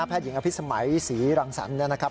แพทย์หญิงอภิษสมัยศรีรังสันนะครับ